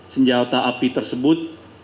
senjata api tersebut